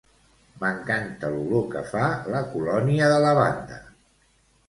M'encanta l'olor que fa la colònia de lavanda